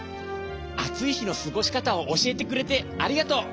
あついひのすごしかたをおしえてくれてありがとう。